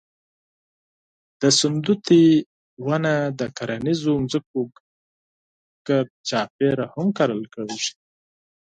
د سنځلې ونه د کرنیزو ځمکو ګرد چاپېره هم کرل کېږي.